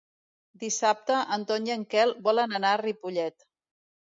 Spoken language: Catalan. Dissabte en Ton i en Quel volen anar a Ripollet.